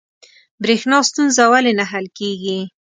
بریښنا ستونزه ولې نه حل کیږي؟